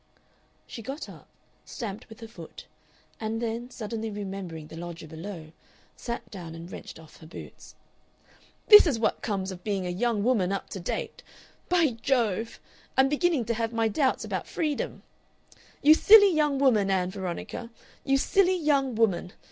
She got up, stamped with her foot, and then, suddenly remembering the lodger below, sat down and wrenched off her boots. "This is what comes of being a young woman up to date. By Jove! I'm beginning to have my doubts about freedom! "You silly young woman, Ann Veronica! You silly young woman!